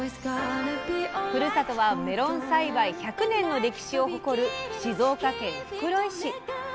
ふるさとはメロン栽培１００年の歴史を誇る静岡県袋井市。